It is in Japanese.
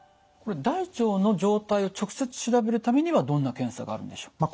これ大腸の状態を直接調べるためにはどんな検査があるんでしょう？